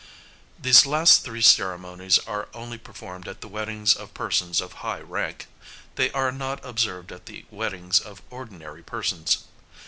These last three ceremonies are only performed at the weddings of persons of high rank; they are not observed at the weddings of ordinary persons.